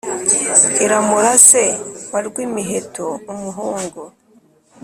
iramura se wa rwimiheto umuhungu,